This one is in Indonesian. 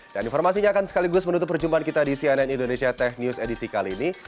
dan informasinya akan sekaligus menutup perjumpaan kita di cnn indonesia tech news edisi kali ini